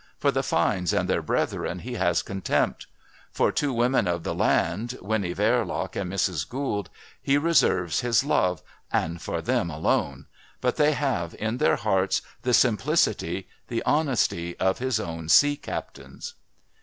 For the Fynes and their brethren he has contempt. For two women of the land, Winnie Verloc and Mrs Gould, he reserves his love, and for them alone, but they have, in their hearts, the simplicity, the honesty of his own sea captains.